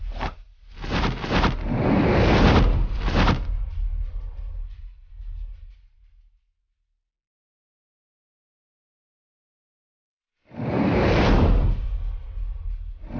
sepertinya aku mengenal jurus jurus gadis aneh itu